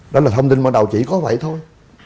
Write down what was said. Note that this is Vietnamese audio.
đó là thông tin ban đầu chỉ có vậy thôi